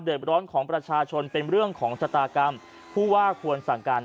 ร้อนของประชาชนเป็นเรื่องของชะตากรรมผู้ว่าควรสั่งการ